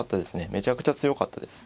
めちゃくちゃ強かったです。